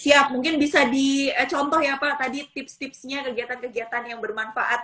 siap mungkin bisa dicontoh ya pak tadi tips tipsnya kegiatan kegiatan yang bermanfaat